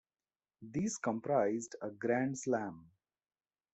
These comprised a Grand Slam.